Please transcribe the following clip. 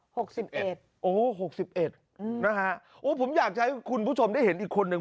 ๖๑โอ้โห๖๑นะคะโอ้โหผมอยากให้คุณผู้ชมได้เห็นอีกคนหนึ่ง